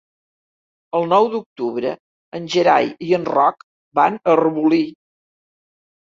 El nou d'octubre en Gerai i en Roc van a Arbolí.